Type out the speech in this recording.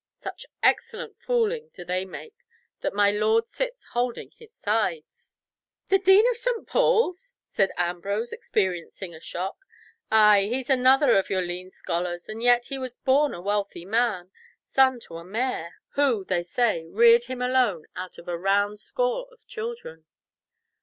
Such excellent fooling do they make, that my lord sits holding his sides." "The Dean of St. Paul's!" said Ambrose, experiencing a shock. "Ay! He's another of your lean scholars, and yet he was born a wealthy man, son to a Lord Mayor, who, they say, reared him alone out of a round score of children."